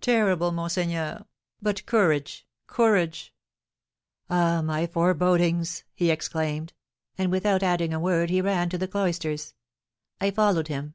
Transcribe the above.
"Terrible, monseigneur! But courage! Courage!" "Ah, my forebodings!" he exclaimed; and, without adding a word, he ran to the cloisters. I followed him.